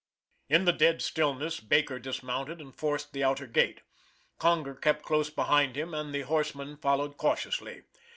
In the dead stillness, Baker dismounted and forced the outer gate; Conger kept close behind him, and the horsemen followed cautiously.